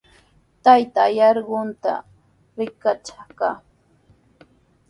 Taytaa yarquqta rikash kaa.